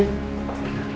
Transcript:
kondisinya juga cukup baik